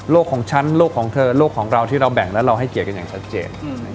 ของฉันโลกของเธอโลกของเราที่เราแบ่งแล้วเราให้เกียรติกันอย่างชัดเจน